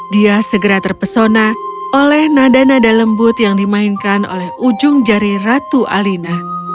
dia segera terpesona oleh nada nada lembut yang dimainkan oleh ujung jari ratu alina